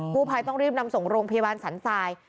ผู้ภัยต้องรีบนำส่งโรงพยาบาลสันทราย